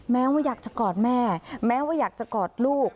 แม้ว่าอยากจะกอดแม่แม้ว่าอยากจะกอดลูก